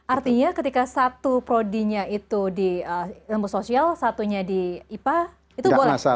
artinya ketika satu prodinya itu di ilmu sosial satunya di ipa itu boleh